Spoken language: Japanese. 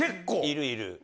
いるいる。